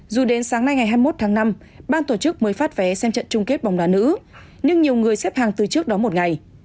dù đến sáng nay ngày hai mươi một tháng năm ban tổ chức mới phát vé xem trận chung kết bóng đá nữ nhưng nhiều người xếp hàng từ trước đó một ngày